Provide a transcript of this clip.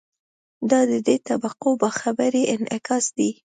دا د دې طبقو باخبرۍ انعکاس دی.